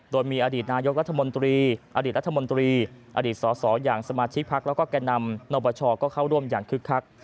โดยมีอดีตนายกรัฐมนตรีอดีตรัฐมนตรีอดีตสสอย่างสมาชิกพักแล้วก็แก่นำนปชก็เข้าร่วมอย่างคึกคัก